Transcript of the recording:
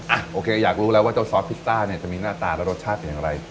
โอเคอยากรู้แล้วว่าเจ้าซอสพิซซ่าเนี่ยจะมีหน้าตาและรสชาติเป็นอย่างไร